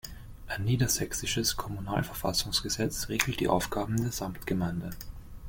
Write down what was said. Ein Niedersächsisches Kommunalverfassungsgesetz regelt die Aufgaben der Samtgemeinde.